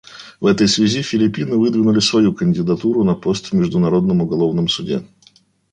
В этой связи Филиппины выдвинули свою кандидатуру на пост в Международном уголовном суде.